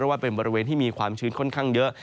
ว่าเป็นบริเวณที่มีความชื้นค่อนข้างเยอะ